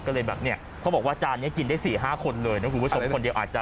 ก็เลยแบบเนี่ยเขาบอกว่าจานนี้กินได้๔๕คนเลยนะคุณผู้ชมคนเดียวอาจจะ